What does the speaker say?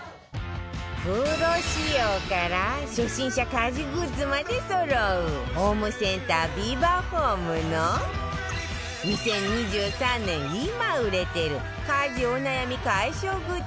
プロ仕様から初心者家事グッズまでそろうホームセンタービバホームの２０２３年今売れてる家事お悩み解消グッズ